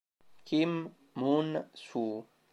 Kim Moon-soo